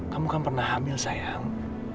kamu kan pernah hamil sayang